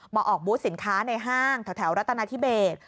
ออกบูธสินค้าในห้างแถวรัฐนาธิเบส